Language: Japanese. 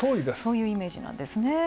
そういうイメージですね。